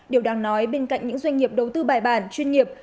điều đáng nói bên cạnh những doanh nghiệp đầu tư bài bản chuyên nghiệp